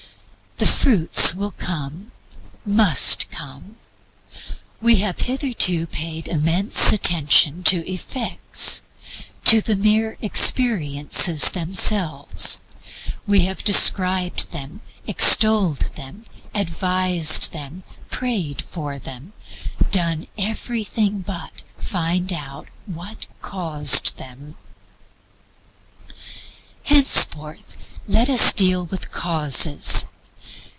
The fruits will come, must come. We have hitherto paid immense attention to effects, to the mere experiences themselves; we have described them, extolled them, advised them, prayed for them done everything but find out what caused them. Henceforth LET US DEAL WITH CAUSES.